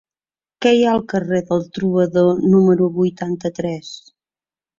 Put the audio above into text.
Què hi ha al carrer del Trobador número vuitanta-tres?